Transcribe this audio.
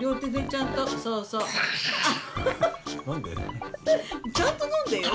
ちゃんと全部飲んでよ。